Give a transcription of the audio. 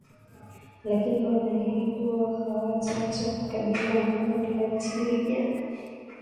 lakini wanahaidi kuwa hawataacha kukabiliana kundi la taliban